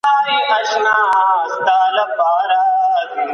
هېپوکامپس د حافظې او احساساتو مرکز دی.